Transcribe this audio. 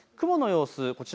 雲の様子